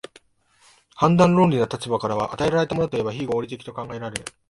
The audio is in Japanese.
判断論理の立場からは、与えられたものといえば非合理的と考えられ、